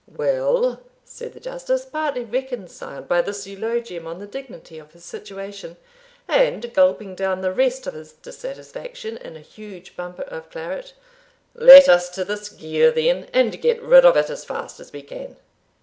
"Well," said the Justice, partly reconciled by this eulogium on the dignity of his situation, and gulping down the rest of his dissatisfaction in a huge bumper of claret, "let us to this gear then, and get rid of it as fast as we can.